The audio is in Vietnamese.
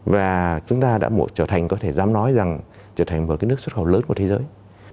và chúng ta đã trở thành có thể dám nói rằng trở thành một cái nước xuất khẩu lớn của thế giới